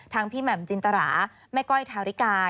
พี่แหม่มจินตราแม่ก้อยทาริกา